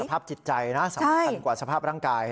ภาพจิตใจนะสำคัญกว่าสภาพร่างกาย